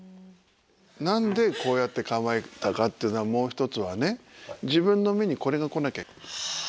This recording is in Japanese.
何でこうやって構えたかっていうのはもう一つはね自分の目にこれが来なきゃ。